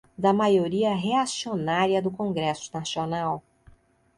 da maioria reacionária do Congresso Nacional